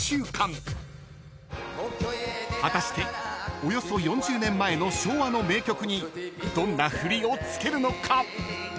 ［果たしておよそ４０年前の昭和の名曲にどんな振りを付けるのか？］